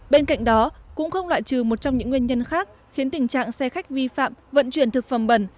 bên cạnh đó cũng không loại trừ một trong những nguyên nhân khác khiến tình trạng xe khách vi phạm vận chuyển thực phẩm bẩn